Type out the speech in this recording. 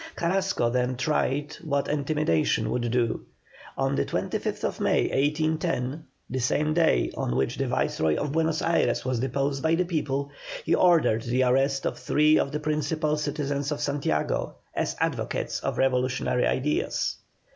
Carrasco then tried what intimidation would do. On the 25th May, 1810, the same day on which the Viceroy of Buenos Ayres was deposed by the people, he ordered the arrest of three of the principal citizens of Santiago, as advocates of revolutionary ideas.